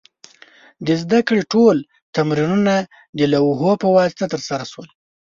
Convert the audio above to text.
د زده کړې ټول تمرینونه د لوحو په واسطه ترسره شول.